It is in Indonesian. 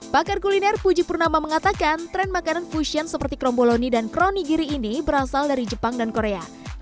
pakar kuliner puji purnama mengatakan tren makanan fusion seperti kromboloni dan kronigiri ini berasal dari jepang dan korea